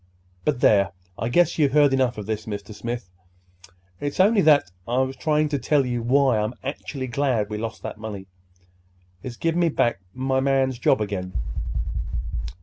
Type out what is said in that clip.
But, there! I guess you've heard enough of this, Mr. Smith. It's only that I was trying to tell you why I'm actually glad we lost that money. It's give me back my man's job again."